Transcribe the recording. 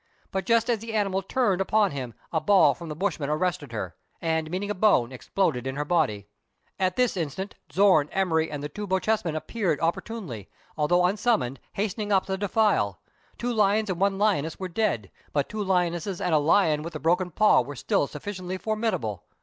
But just as the animal turned upon him, a ball from the bushman arrested her, and, meeting a bone, exploded in her body. At this instant Zorn, Emery, and the two Bochjesmen appeared opportunely, although un summoned, hastening up the defile. Two lions and one lioness were dead ; but two lionesses and the lion with the broken paw were still sufficiently formidable.